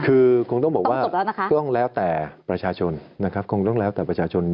คือต้องบอกว่าต้องซื้องแล้วแต่ประชาชน